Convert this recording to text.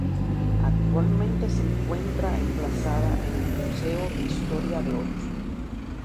Actualmente se encuentra emplazada en el Museo de Historia de Oslo.